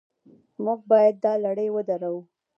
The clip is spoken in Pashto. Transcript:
موږ باید دا لړۍ ودروو.